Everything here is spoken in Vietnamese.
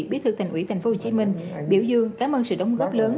bí thư thành ủy thành phố hồ chí minh biểu dương cám ơn sự đóng góp lớn